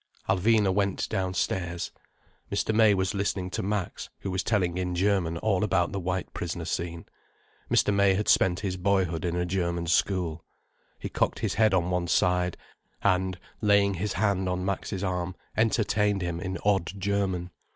Alvina went downstairs. Mr. May was listening to Max, who was telling in German all about the White Prisoner scene. Mr. May had spent his boyhood in a German school. He cocked his head on one side, and, laying his hand on Max's arm, entertained him in odd German.